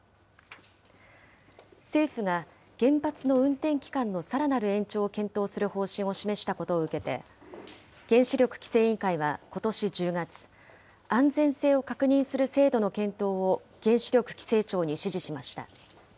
政府が原発の運転期間のさらなる延長を検討する方針を示したことを受けて、原子力規制委員会はことし１０月、安全性を確認する制度の検討を、原子力規制庁に指示しました。